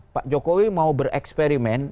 pak jokowi mau bereksperimen